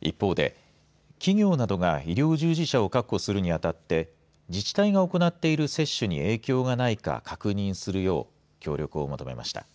一方で企業などが医療従事者を確保するにあたって自治体が行っている接種に影響がないか確認するよう協力を求めました。